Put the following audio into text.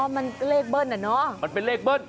อ๋อมันเลขเบิ้ลน่ะเนาะ